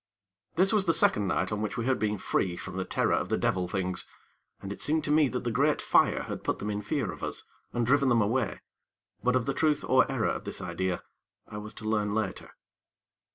This was the second night on which we had been free from the terror of the devil things, and it seemed to me that the great fire had put them in fear of us and driven them away; but of the truth or error of this idea, I was to learn later.